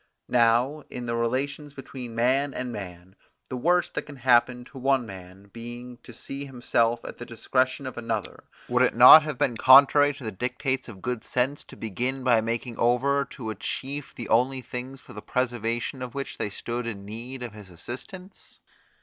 Now in the relations between man and man, the worst that can happen to one man being to see himself at the discretion of another, would it not have been contrary to the dictates of good sense to begin by making over to a chief the only things for the preservation of which they stood in need of his assistance?